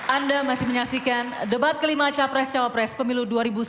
anda masih menyaksikan debat kelima capres cawapres pemilu dua ribu sembilan belas